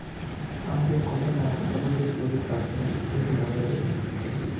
আংটির কথাটা আপাতত স্থগিত রাখলে, কিন্তু মনে রইল।